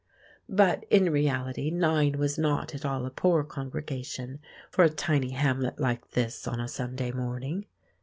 But, in reality, nine was not at all a poor congregation for a tiny hamlet like this on a Sunday morning.